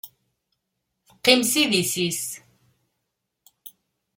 Teqqim s idis-is.